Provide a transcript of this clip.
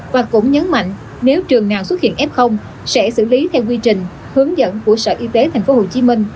và cũng nhấn mạnh nếu trường nào xuất hiện f sẽ xử lý theo quy trình hướng dẫn của sở y tế tp hcm